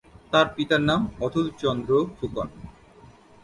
তার পিতার নাম অতুল চন্দ্র ফুকন।